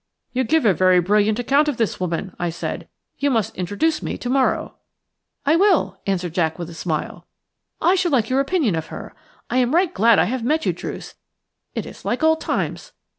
"You give a very brilliant account of this woman," I said. "You must introduce me to morrow." "I will," answered Jack with a smile. "I should like your opinion of her. I am right glad I have met you, Druce, it is like old times.